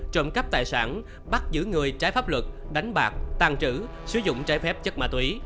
trộm cắp tài sản bắt giữ người trái pháp luật đánh bạc tàn trữ sử dụng trái phép chất ma túy